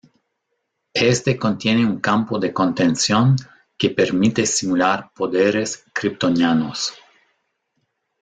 Éste contiene un campo de contención que permite simular poderes kryptonianos.